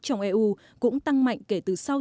trong eu cũng tăng mạnh kể từ sau